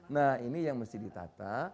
nah ini yang mesti ditata